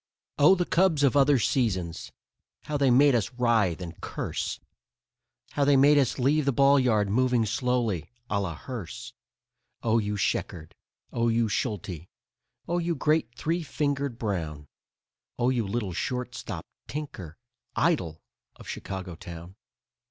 Oh, the Cubs of other seasons, how they made us writhe and curse! How they made us leave the ball yard moving slowly, a la hearse. Oh you Sheckard, oh you Schulte, oh you great Three Fingered Brown, Oh you little shortstop Tinker, idol of Chicago town!